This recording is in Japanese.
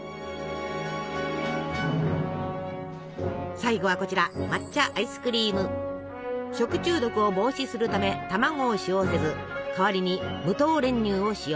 最後はこちら食中毒を防止するため卵を使用せず代わりに無糖練乳を使用。